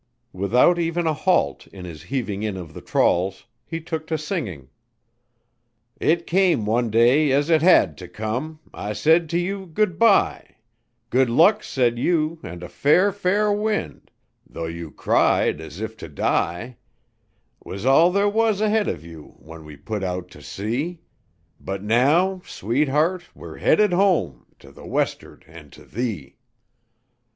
Without even a halt in his heaving in of the trawls, he took to singing: "It came one day, as it had to come I said to you 'Good by.' 'Good luck,' said you, 'and a fair, fair wind' Though you cried as if to die; Was all there was ahead of you When we put out to sea; But now, sweetheart, we're headed home To the west'ard and to thee.